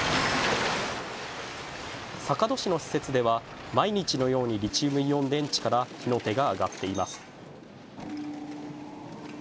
坂戸市の施設では毎日のようにリチウムイオン電池から火の手が上がっています。